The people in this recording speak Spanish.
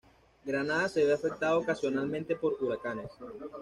Granada se ve afectada ocasionalmente por huracanes.